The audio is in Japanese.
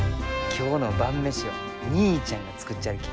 今日の晩飯は義兄ちゃんが作っちゃるき。